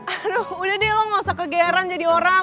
aduh udah deh lo gak usah kegeeran jadi orang